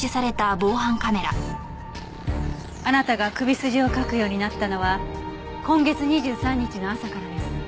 あなたが首筋をかくようになったのは今月２３日の朝からです。